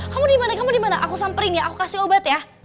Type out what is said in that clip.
kamu dimana kamu dimana aku samperin ya aku kasih obat ya